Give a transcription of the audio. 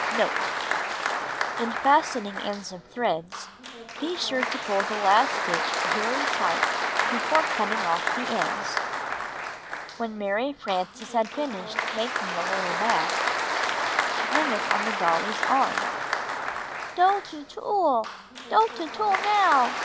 Note. — In fastening ends of threads, be sure to pull the last stitch very tight before cutting off the ends. When Alary Frances had finished making the little bag, she hung it on the dolly's arm. ''Doe to tool! Doe to tool, now!"